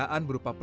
jadi aku'lla copy